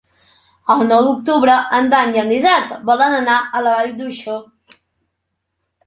El nou d'octubre en Dan i en Dídac volen anar a la Vall d'Uixó.